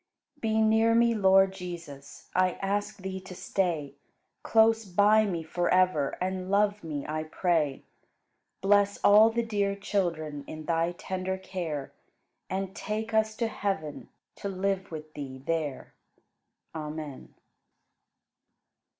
106. Be near me, Lord Jesus! I ask Thee to stay Close by me forever And love me, I pray. Bless all the dear children In Thy tender care And take us to heaven To live with Thee there. Amen.